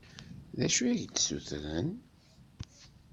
D acu i ak-d-ssutren?